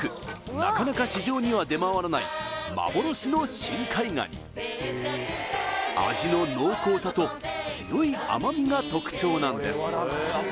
なかなか市場には出回らない幻の深海ガニ味の濃厚さと強い甘みが特徴なんです